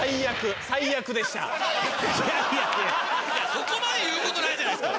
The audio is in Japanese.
そこまで言うことないじゃないですか！